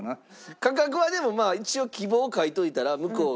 価格はでも一応希望書いといたら向こうが。